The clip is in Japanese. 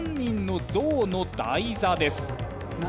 何？